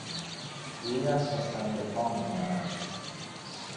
رویش به سنگ پا میماند!